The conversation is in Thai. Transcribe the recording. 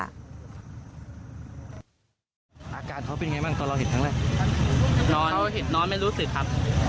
อาการเขาเป็นไงบ้างตอนเราเห็นครั้งแรกนอนเขาเห็นนอนไม่รู้สึกครับ